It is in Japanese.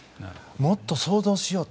もっと想像しよう。